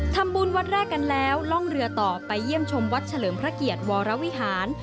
ทำบุญวัดแรกกันแล้วล่องเรือต่อไปเยี่ยมชมวัดเฉลิมพระเกียรติวรวิหาร